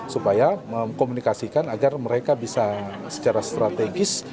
supaya mengkomunikasikan agar mereka bisa secara strategis